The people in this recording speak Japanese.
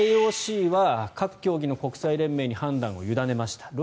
ＩＯＣは各競技の国際連盟に判断を委ねました。